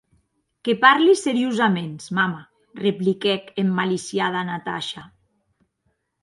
Que parli seriosaments, mama, repliquèc emmaliciada Natasha.